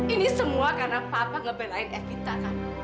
ini semua karena papa ngebelain evita kan